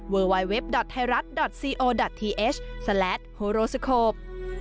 เวอร์ไว้เว็บดอทไทยรัฐดอทซีโอดอททฮโฮโรสโคป